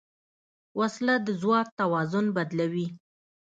وسله د ځواک توازن بدلوي